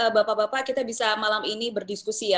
bapak bapak kita bisa malam ini berdiskusi ya